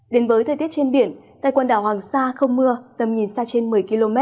đến với thời tiết trên biển tại quần đảo hoàng sa không mưa tầm nhìn xa trên một mươi km